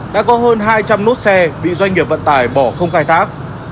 đã có hơn hai trăm linh nốt xe bị doanh nghiệp vận tải bỏ không khai thác